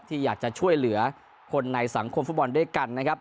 ที่อยากจะช่วยเหลือคนในสังคมฟุตบอลด้วยกันนะครับ